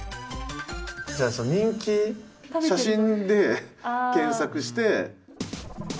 じゃあさ人気写真で検索して。